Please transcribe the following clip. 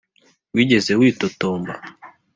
wigeze witotomba,